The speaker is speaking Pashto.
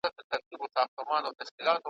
دا نوي شعرونه، چي زه وایم خدای دي `